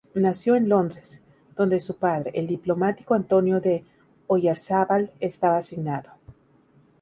Nació en Londres, donde su padre, el diplomático Antonio de Oyarzábal, estaba asignado.